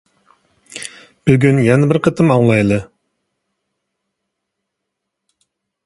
بۈگۈن يەنە بىر قېتىم ئاڭلايلى.